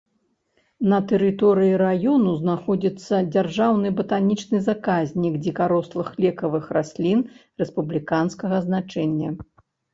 На тэрыторыі раёна знаходзіцца дзяржаўны батанічны заказнік дзікарослых лекавых раслін рэспубліканскага значэння.